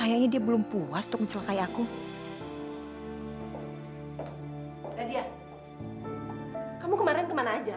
saya sholat dulu ya mbak